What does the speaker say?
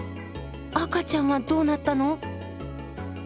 赤ちゃんはどうなったの？